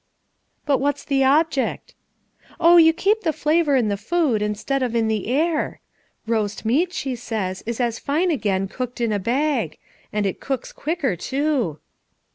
"But what's the object?" "Oh, you keep the flavor in the food instead of in the air; roast meat, she says, is as fine again cooked in a bag; and it cooks quicker, too."